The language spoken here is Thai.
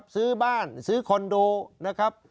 ซื้อบ้านซื้อคอนโดนะครับ